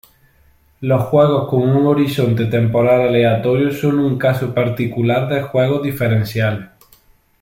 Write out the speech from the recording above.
Los juegos con un horizonte temporal aleatorio son un caso particular de juegos diferenciales.